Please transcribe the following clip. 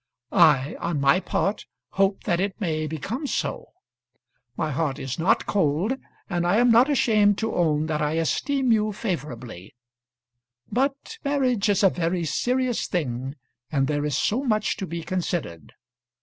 I, on my part, hope that it may become so. My heart is not cold, and I am not ashamed to own that I esteem you favourably; but marriage is a very serious thing, and there is so much to be considered!